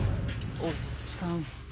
おっさん。